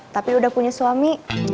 tapi udah punya suami